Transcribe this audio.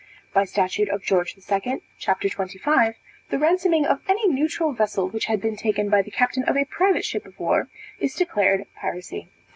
By statute of George II. c. 25, the ransoming of any neutral vessel, which has been taken by the captain of a private ship of war, is declared piracy.